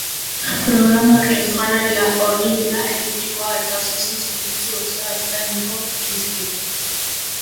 Programa horrek janaria, hornidura elektrikoa eta osasun zerbitzu osoa eskainiko dizkie.